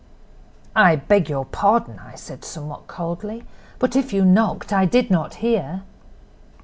"'I beg your pardon,' I said, somewhat coldly, 'but if you knocked I did not hear.